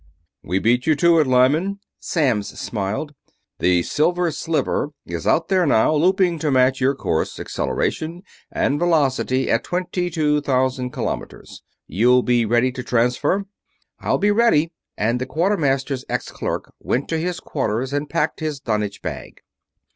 "We beat you to it, Lyman," Samms smiled. "The Silver Sliver is out there now, looping to match your course, acceleraction, and velocity at twenty two thousand kilometers. You'll be ready to transfer?" "I'll be ready," and the Quartermaster's ex clerk went to his quarters and packed his dunnage bag.